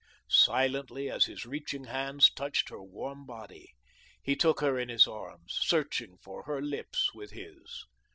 Silently as his reaching hands touched her warm body, he took her in his arms, searching for her lips with his.